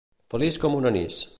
Feliç com un anís.